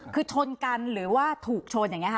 คือชนกันหรือถูกชน